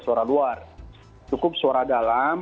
suara luar cukup suara dalam